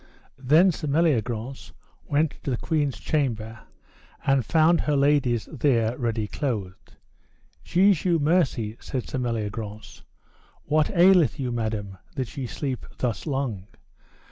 Then Sir Meliagrance went to the queen's chamber, and found her ladies there ready clothed. Jesu mercy, said Sir Meliagrance, what aileth you, madam, that ye sleep thus long?